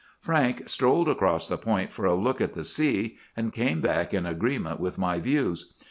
"Frank strolled across the point for a look at the sea, and came back in agreement with my views.